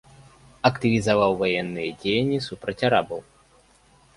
Актывізаваў ваенныя дзеянні супраць арабаў.